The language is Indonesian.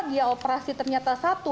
dia operasi ternyata satu